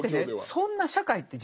そんな社会って